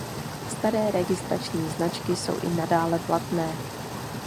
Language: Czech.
Staré registrační značky jsou i nadále platné.